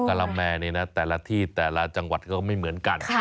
กระแมนี่นะแต่ละที่แต่ละจังหวัดก็ไม่เหมือนกัน